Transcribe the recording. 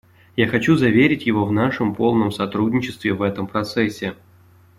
Я хочу заверить его в нашем полном сотрудничестве в этом процессе.